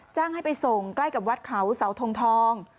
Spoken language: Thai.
จ้างให้ไปส่งใกล้กับวัดเขาเสาทงทอง